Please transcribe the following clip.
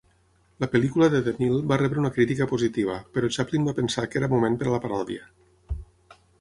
La pel·lícula de DeMille va rebre una crítica positiva però en Chaplin va pensar que era moment per a la paròdia.